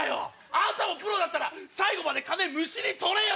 ⁉あんたもプロだったら最後まで金むしり取れよ！